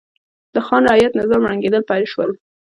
د خان رعیت نظام ړنګېدل پیل شول.